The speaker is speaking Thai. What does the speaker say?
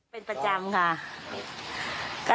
เป็นประจำค่ะ